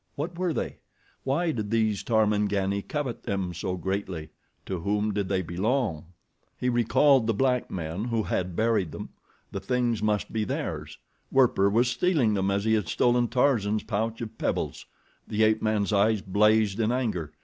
What were they? Why did these Tarmangani covet them so greatly? To whom did they belong? He recalled the black men who had buried them. The things must be theirs. Werper was stealing them as he had stolen Tarzan's pouch of pebbles. The ape man's eyes blazed in anger.